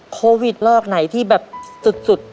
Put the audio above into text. โควิดลอกไหนที่แบบสุด